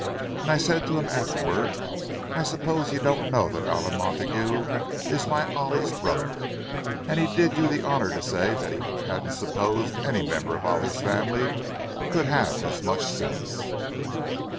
"And I said to him afterward, 'I suppose you don't know that Allan Montague is my Ollie's brother.' And he did you the honour to say that he hadn't supposed any member of Ollie's family could have as much sense!"